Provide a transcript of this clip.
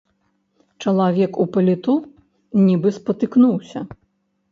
Чалавек у паліто нібы спатыкнуўся.